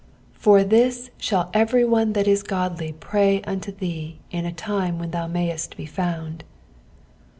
"For tfiU iball etery one that it godly pray unto ttee in a time ahvn tA«tt mayett hefoand.'